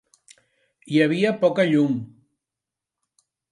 Hi havia poca llum.